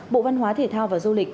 bộ văn hóa thể thao và du lịch